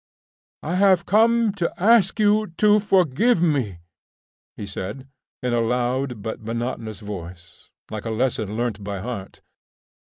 "I have come to ask you to forgive me," he said, in a loud but monotonous voice, like a lesson learnt by heart.